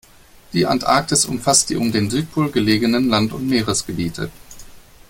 Die Antarktis umfasst die um den Südpol gelegenen Land- und Meeresgebiete.